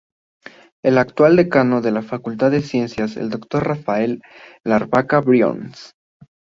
El actual decano de la Facultad de Ciencia es el Dr. Rafael Labarca Briones.